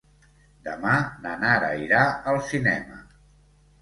Demà na Nara irà al cinema.